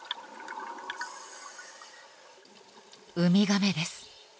ウミガメです。